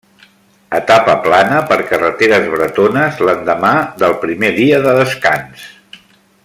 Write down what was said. Etapa plana per carreteres bretones l'endemà del primer dia de descans.